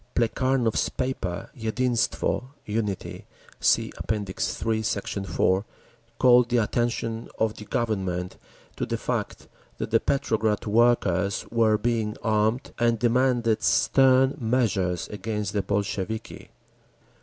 Plekhanov's paper, Yedinstvo (Unity) (See App. III, Sect. 4), called the attention of the Government to the fact that the Petrograd workers were being armed, and demanded stern measures against the Bolsheviki.